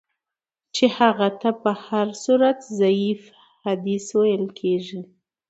چي هغه ته په هر صورت ضعیف حدیث ویل کیږي.